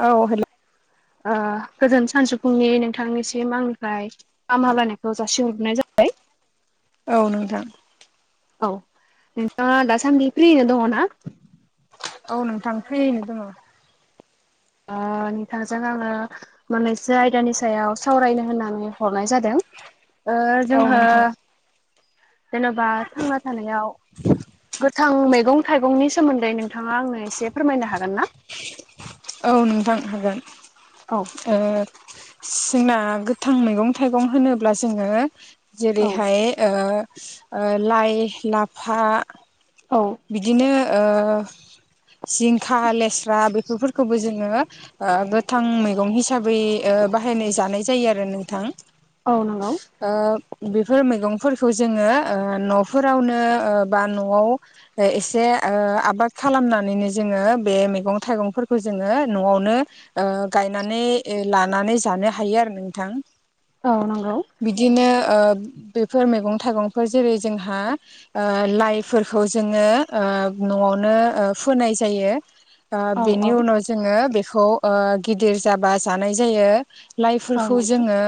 औ हेलौ ओ गोजोन सानजौफुंनि नोंथांनिसिम आंनिफ्राय गाहाम हामलायानायखौ जासिहरनाय जा औ नोंथां औ नोंथाङा दासान्दि फ्रिनो दङ ना औ नोंथां फ्रियैनो दङ ओ नोंथां जों आङो मोननैसो आयदानि सायाव सावरायनो होननानै हरनाय जादों। ओ जोंङो नोंथां जेन'बा थांना थानायाव गोथां मैगं थाइगंनि सोमोन्दै नोंथाङा आंनो एसे फोरमायनो हागोन ना। औ नोंथां हागोन। औ ओ जोंना गोथां मैगं थाइगं होनोब्ला जोंङो औ जेरैहाय ओ लाइ लाफा औ बिदिनो जिंखा लेस्रा बेफोरखौबो जोंङो ओ गोथां मैगं हिसाबै बाहायनाय जानाय जायो आरो नोंथां। औ नंगौ ओ बेफोर मैगंफोरखौ जोंङो न'फोरावनो बा न'आव एसे आबाद खालामनानैनो जोंङो बे मैगं थाइगंफोरखौ जोंङो न'आवनो ओ गायनानै लानानै जानो हायो आरो नोंथां। औ नंगौ बिदिनो बेफोर मैगं थाइगंफोर जेरै जोंहा ओ लाइफोरखौ जोंङो न'आवनो फोनाय जायो औ औ बेनि उनाव जोंङो बेखौ गिदिर जाबा जानाय जायो औ लाइफोरखौ नंगौ जोंङो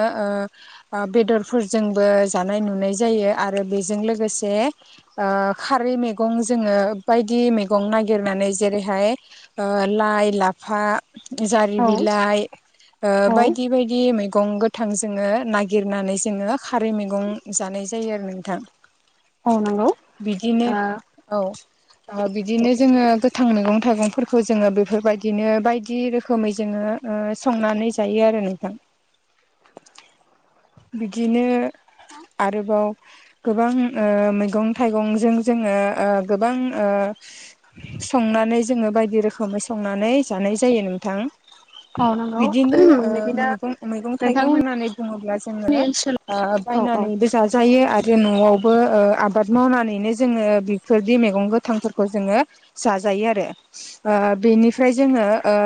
बेदरफोरजोंबो जानाय नुनाय जायो आरो बेजों लोगोसे ओ खारै मे गं जोंङो बायदि मैगं नागिरनानै जेरैहाय लाइ लाफा जारि औ बिलाइ बायदि बायदि मै मेगं गोथां जोंङो नागिरनानै जोंङो खारै मैगं जानाय जायो आरो नोंथां। [inaudible] ओ बिदिनो औ ओ बिदिनो जोंङो गोथां मैगं थाइगंफोरखौ जोंङो बेफोरबायदिनो बायदि रोखोमै जोंङो ओ संनानै जायो आरो नोंथां बिदिनो आरोबाव गोबां ओ मैगं थाइगंजों जोङो ओ गोबां ओ संनानै जोङो बायदि रोखोमै संनानै जानाय जायो नोंथां औ नंगौ बिदिनो ओ बिदिनो मैगं मैगं थाइगं नोंथांमोननि होननानै बुङोब्ला जोङो ओनसोलाव ओ औ औ बायनानैबो जाजायो आरो नआवबो ओ आबाद मावनानैनो जोङो फोरदि मेगं गोथांफोरखौ जोङो जाजायो आरो ओ बेनिफ्राय जोङो ओ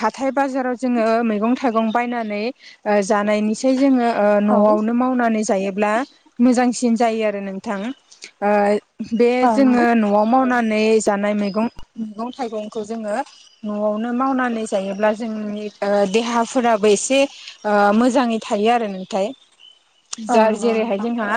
हाथाय बाजाराव जोङो मैगं थाइगं बायनानै ओ जानायनि [unintelligible] ओ औ नआवनो माव नानै जायोब्ला मोजांसिन जायो आरो नोंथां ओ बे नंगौ जोङो न आव मावनानै जानाय मैगं मैगं थाइगंखौ जोङो नआवनो मावनानै जायोब्ला जोंनि ओ देहाफोराबो एसे ओ मोजाङै थायो आरो नोंथाय औ जाय नंगौ जेरैहायो नोंथां जोंहा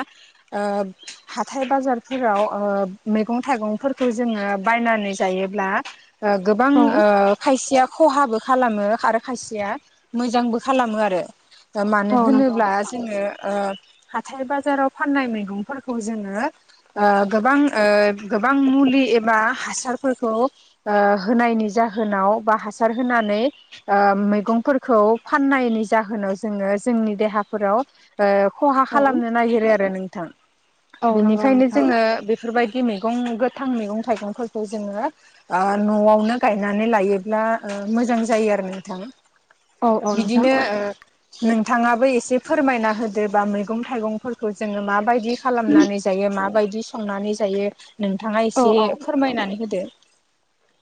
हाथाय बाजारफोराव ओ मेगं थाइगंफोरखौ जोङो बायनानै जायोब्ला ओ गोबां ओ खायसेया खहाबो खालामो आरो खायसेया मोजांबो खालामो आरो मानो औ नंगौ होनोब्ला जोङो ओ हाथाय बाजाराव फाननाय मैगंफोरखौ जोङो ओ गोबां ओ गोबां मुलि एबा हासारफोरखौ ओ होनायनि जाहोनाव बा हासार होनानै ओ मैगंफोरखौ फाननायनि जाहोनाव जोङो जोंनि देहाफोराव ओ खहा औ खालामनो नागिरो आरो नोंथां औ नंगौ बिनिखायनो नोंथां जोङो बेफोरबायदि मैगं गोथां मैगं थाइगंफोरखौ जोङो आ नआवनो गायनानै लायोब्ला ओ मोजां जायो आरो नोंथां औ औ नोंथां बिदिनो ओ नोंथाङाबो एसे फोरमायना होदोबा मैगं थाइगंफोरखौ जोङो माबायदि खालामनानै जायो माबायदि संनानै जायो नोंथांङा औ एसे औ फोरमायनानै होदो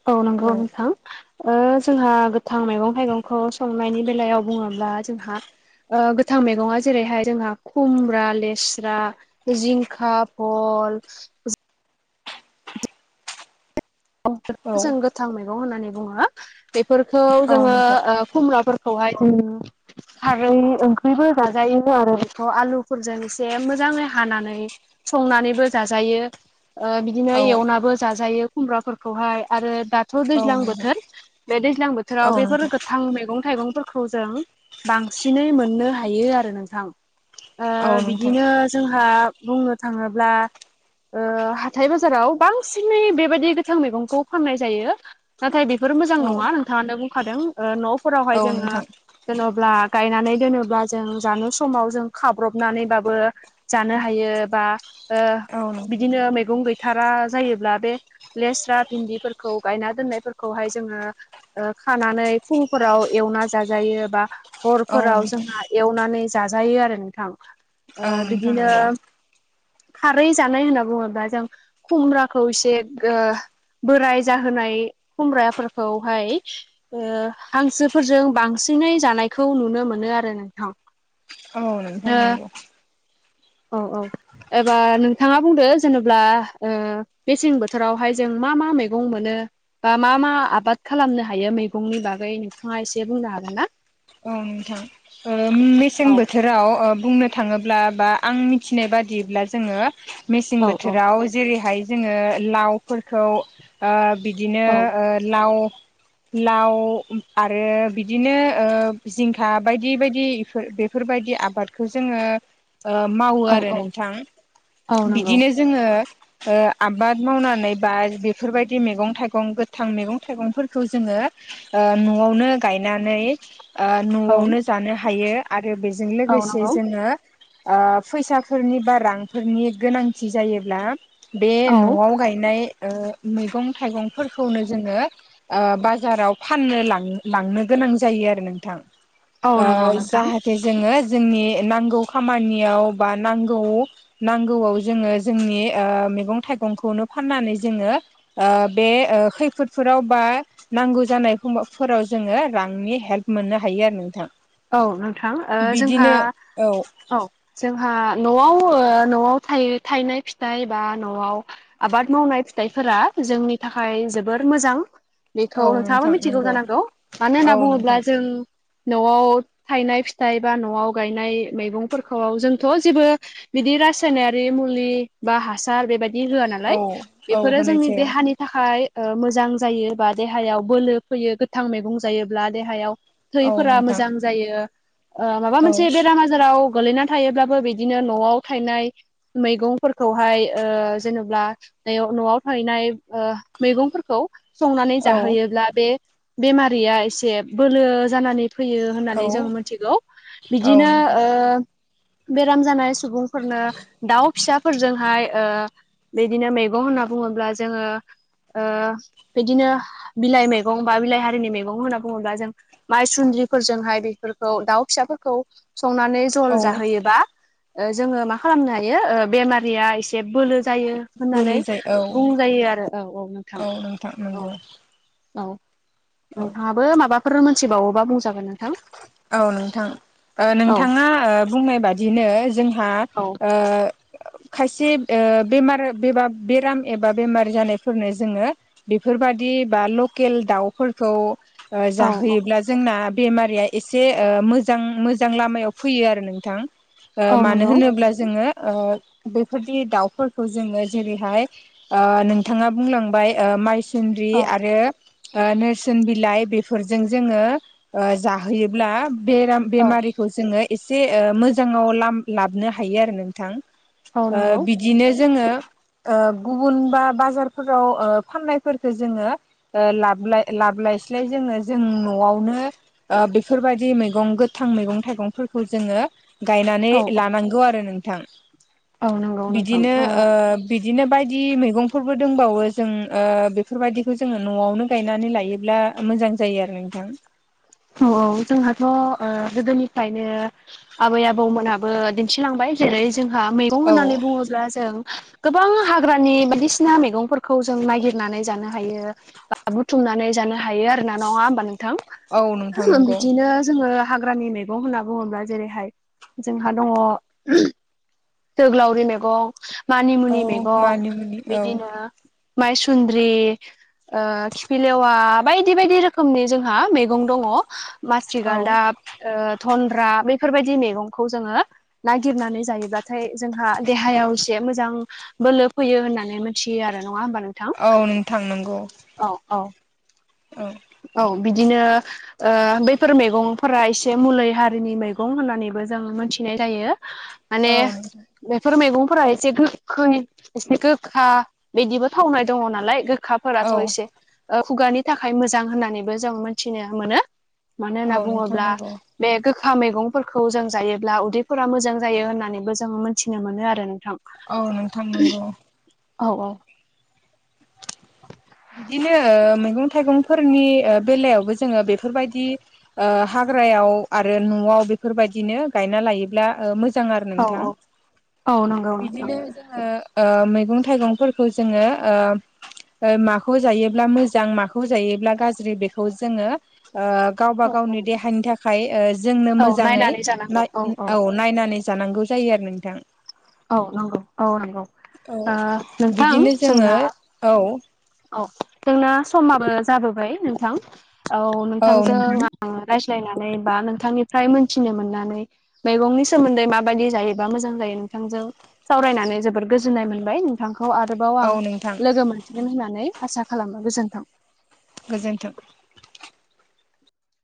औ नोंगौ नोंथां ओ जोंहा गोथां मैगं थाइगंखौ संनायनि बेलायाव बुंङोब्ला जोंहा ओ गोथां मैगंङा जेरैहाय जोंहा खुमब्रा लेस्रा जिंखा फल [unintelligible] औ जों गोथां मैगं होननानै बुंङो बेफोरखौ औ जोंङो नोंथां ओ खुमब्रा फोरखौहाय उम खारै ओं बो जाजायोनो आरो बेखौ आलुफोरजों एसे मोजांङै हानानै संनानैबो जाजायो ओ बिदिनो औ एवनाबो जाजायो खुमब्राफोरखौहाय आरो दाथ औ दैज्लां नोंथां बोथोर बे दैज्लां औ बोथोराव बेफोर नोंथां गोथां मैगं थाइगं फोर खौ जों बांसिनै मोननो हायो आरो नोंथां ओ औ नोंथां बिदिनो जोंहा बुंनो थांङोब्ला ओ हाथाय बाजाराव बांसिनै बेबाय दि गोथां मैगंखौ फाननाय जायो। नाथाय बेफोर मोजां औ नंङा नोंथाङानो बुंखादों ओ नफोरावहाय औ जोंङो नोंथां जेनब्ला गायनानै दोनोब्ला गायनानै दोनोब्ला जों जानो समाव जों खाब्रबनानैबाबो जानो हायो बा ओ औ नोंथां बिदिनो मैगं गैथारा जायोब्ला बे लेस्रा भिन्दिफोरखौ गायना दोननायफोरखौहाय जोंङो ओ खानानै फुंफोराव एवना जाजायो बा औ हरफोराव नोंथां जोंहा एवनानै जाजायो आरो नोंथां औ नोंथां बिदिनो नंगौ औ खारै जानाय होनना बुङोब्ला जों खुमब्राखौ एसे बोराय जाहोनाय खुमब्राफोरखौहाय हांसोफोरजों बांसिनै जानायखौ नुनो मोनो आरो नोंथां औ नोंथां नांगौ ओ औ औ एबा नोंथांङा बुंदो जेनेबा बेसें बोथ रावहाय जों मा मा मैगं मोनो बा मा मा आबाद खालामनो हायो मैगंनि बागै नोंथाङा एसे बुंनो हागोन ना औ नोंथां मेसें औ बोथोर बोथोराव बुंनो थांङोब्ला बा आं मिथिनाय बादिब्ला जोङो औ मेसें औ बोथोराव जेरैहाय जोङो लावफोरखौ बिदिनो लाव लाव आरो बिदिनो जिंखा बायदि बायदिफोर बेफोरबायदि आबादखौ जोंङो मावो औ आरो औ नोंथां औ नंगौ बिदिनो जोंङो आबाद मावनानै बा बेफोरबायदि मैगं थाइगं गोथां मैगं थाइगंफोरखौ जोंङो न'आवनो गायनानै औ न'आवनो जानो हायो आरो बेजों औ लोगोसे नंगौ जोंङो फैसाफोरनि बा रांफोरनि गोनांथि जायोब्ला बे औ न'आव गायनाय मैगं थाइगंफोरखौनो जोंङो बाजाराव फाननो लां लांनो गोनां जायो आरो नोंथां औ नंगौ नोंथां जाहाथे जोंङो जोंनि नांगौ खामानियाव बा नांगौ नांगौआव जोंङो जोंनि मैगं थाइगंखौनो फाननानै जोङो बे खैफोदफोराव बा नांगौ जानायफोराव जोंङो रांनि हेल्प मोननो हायो आरो नोंथां औ नोंथां जोंहा बिदिनो औ औ जोंहा न'आव न'आव थायनाय फिथाइ ए बा न'आव आबाद मावनाय फिथाइफोरा जोंनि थाखाय जोबोर मोजां बेखौ औ नोंथांङाबो नोंथां मिथिगौ नंगौ जानांगौ मानो औ होनना बुंङोब्ला नोंथां जों न'आव थायनाय फिथाइ बा न'आव गायनाय मैगंफोरखौ जोंथ' जेबो बिदि रासायनारि मुलि बा हासार बेबायदि होआ नालाय औ औ बेफोरो होनाय जोंनि जाया देहानि थाखाय मोजां जायो बा देहायाव बोलो फैयो गोथां मैगं जायोब्ला देहायाव औ थैफोरा नोंथां मोजां जायो माबा औ मोनसे बेरामा बाजाराव गोलैना थायोब्लाबो बिदिनो न'आव थायनाय मैगंफोरखौहाय जेनेब्ला न'आव थाहैनाय मैगंफोरखौ संनानै औ जाहोयोब्ला बे बेमारिया एसे बोलो जानानै फैयो औ होननानै जों मिथिगौ औ बिदिनो नोंथां ओ बेराम जानाय सुबुंफोरनो दाउ फिसाफोरजोंहाय बिदिनो मैगं होनना बुङोब्ला जोङो बिदिनो बिलाइ मैगं बा बिलाइ हारिनि मैगं होनना बुङोब्ला जों माइसुन्द्रिफोरजोंहाय बेफोरखौ दाउ फिसाफोरखौ संनानै औ जल जाहोयोबा जोङो मा खालामनो हायो बेमारिया एसे जे बोलो जायो होननानै बोलो जायो औ बुंजायो आरो औ औ नोंथां नोंथां औ नंगौ औ औ नोंथाङाबो माबाफोर मोनथिबावोबा बुंजागोन नोंथां? औ नोंथां औ नोंथाङा बुंनाय बादिनो जोंहा औ ओ खायसे बेमार बेबा बेराम एबा बेमार जानायफोरनो जोङो बेफोरबादि बा लकेल दाउफोरखौ औ औ जाहोयोब्ला जोंना बेमारिया एसे ओ मोजां मोजां लामायाव फैयो आरो नोंथां। ओ औ मानो नंगौ होनोब्ला जोङो ओ बेफोरदि दाउफोरखौ जोङो जेरैहाय ओ नोंथाङा बुंलांबाय ओ मायस सुन्द्रि औ आरो ओ नोरसोन बिलाइ बेफोरजों जोङो ओ जाहोयोब्ला बेराम औ बेमारि खौ जोंङो एसे ओ मोजाङाव लाम लाबनो हायो आरो नोंथां। औ ओ नंगौ बिद दिनो जोङो ओ गुबुन बा बाजारफोराव ओ फाननायफोरखौ जोङो ओ लाबलाय लाबोलायस्लाय जोङो जों न'आवनो आ बेफोरबायदि मैगं गोथां मैगं थाइगंफोरखौ जोङो गायनानै औ औ लानांगौ आरो नोंथां। औ नंगौ नोंथां बिदिनो ओ बिदिनो बायदि मैगंफोरबो दोंबावो जों ओ बेफोरबायदिखौ जोङो न'आवनो गायनानै लायोब्ला आ मोजां जायो आरो नोंथां। औ औ जोंहाथ' ओ गोदोनिफ्रायनो आबै आबौमोनाबो दिन्थिलांबाय। जेरै जोंहा मैगं औ होननानै बुङोब्ला जों गोबां हाग्रानि बायदिसिना मेगंफोरखौ जों नागिरनानै जानो हायो। बा बुथुमनानै जानो हायो आरो ना नङा होमबा नोंथां? औ नोंथां नंगौ बिदिनो जोङो हाग्रानि मे गौ होनना बुङोब्ला जेरैहाय जोंहा दङ। जोग्लावरि मेगं औ मानिमुनि मैगं मानि मुनि औ बिदिनो माइसुन्द्रि ओ खिफिलेवा बायदि बायदि रोखोमनि जोंहा मे गं दङ माथि औ गालदा ओ थनद्रा बैफोरबायदि मैगंखौ जोङो नागिरनानै जायोब्लाथाय जोंहा देहायाव एसे मोजां बोलो फैयो होननानै मोनथियो आरो नङा होमबा नोंथा? औ नोंथां नंगौ। औ औ औ औ बिदिनो ओ बैफोर मेगंफोरा एसे मलै हारिनि मैगं होननानैबो जों मोनथिनाय जायो। माने औ नोंथां बेफोर मेगंफोरा एसे गोखै एसे गोखा बिदिबो थावनाय दङ नालाय गोख खाफोराथ' औ एसे ओ खुगानि थाखाय मोजां होननानैबो जों मोनथिनो मोनो। मानो औ होनना नोंथां बुङोब्ला। नंगौ बे गोखा मेगंफोरखौ जों जायोब्ला उदैफोरा मोजां जायो होननानैबो जोङो मोनथिनो मोनो आरो नोंथां। औ नोंथां नंगौ। औ औ बिदिनो ओ मैगं थाइगंफोरनि ओ बेलायावबो जोङो बेफोरबायदि ओ हाग्रायाव आरो न'आव बेफोरबायदिनो गायना लायोब्ला ओ मोज जां आरो औ नोंथां। औ औ नंगौ नोंथां बिदिनो जों ओ ओ मैगं थाइगंफोरखौ जोङो ओ ओ मा खौ जायोब्ला मोजां माखौ जायोब्ला गाज्रि बेखौ जोङो ओ गावबा औ औ गावनि देहानि थाखाय ओ जोंनो औ मोजाङै नायनानै जानांगौ नाय उम औ नायनानै जानांगौ जायो आरो नोंथां। औ नंगौ औ नंगौ। औ ओ नोंथां बिदिनो जोङो जोंना औ औ जोंना समाबो जाबोबाय नोंथां। औ औ नोंथांजों नोंथां आ आं रायज्लायनानै बा नोंथांनिफ्राय मोनथिनो मोननानै मैगंनि सोमोन्दै माबायदि जायो बा मोजां जायो नोंथांजों सावरायनानै जबोर गोजोननाय मोनबाय। थांखौ आरोबाव आं औ नोंथां लोगो मोनफिनगोन होननानै आसा खालामो गोजोन्थों। गोजोन्थों।